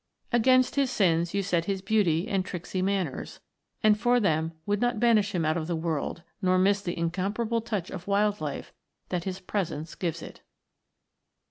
Against his sins you set his beauty and tricksy manners, and for them would not banish him out of the world nor miss the incomparable touch of wild life that his presence gives it.